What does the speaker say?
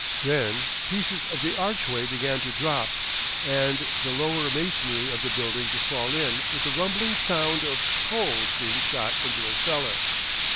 Then pieces of the archway began to drop, and the lower masonry of the building to fall in with the rumbling sound of coals being shot into a cellar.